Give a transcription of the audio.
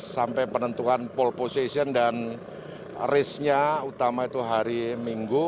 sampai penentuan pole position dan risknya utama itu hari minggu